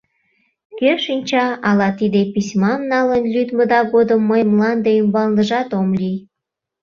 Кӧ шинча, ала тиде письмам налын лӱдмыда годым мый мланде ӱмбалныжат ом лий.